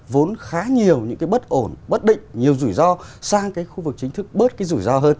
vốn khá nhiều những cái bất ổn bất định nhiều rủi ro sang cái khu vực chính thức bớt cái rủi ro hơn